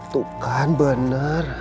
tuh kan bener